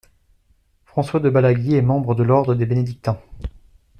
François de Balaguier est membre de l'ordre des bénédictins.